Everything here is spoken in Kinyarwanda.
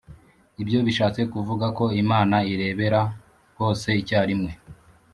Ibyo bishatse kuvuga ko imana irebera hose icyarimwe